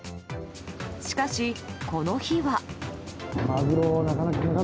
しかし、この日は。